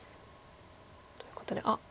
ということであっ